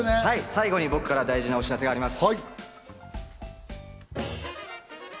最後に僕から大事なお知らせがあります。